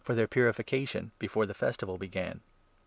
for their ' purification,' before the Festival began.